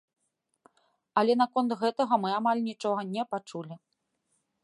Але наконт гэтага мы амаль нічога не пачулі.